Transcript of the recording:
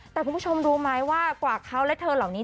แต่คุณผู้ชมรู้ไหมว่ากว่าเขาและเธอเหล่านี้